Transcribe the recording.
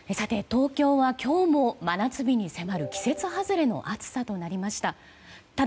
東京は今日も真夏日に迫る季節外れの暑さとなりました。